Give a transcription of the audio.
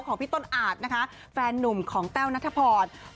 ของพี่ต้นอาจนะคะแฟนนุ่มของแต้วนัทพร